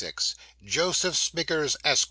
Joseph Smiggers, Esq.